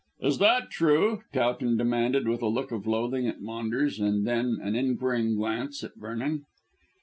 "Is that true?" Towton demanded with a look of loathing at Maunders and then an inquiring glance at Vernon.